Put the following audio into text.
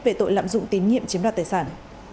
về tội lạm dụng tín nhiệm chiếm đoạt tài sản